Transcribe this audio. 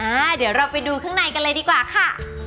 เดี๋ยวเราไปดูข้างในกันเลยดีกว่าค่ะ